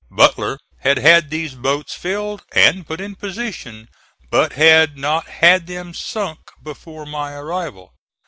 Butler had had these boats filled and put in position, but had not had them sunk before my arrival.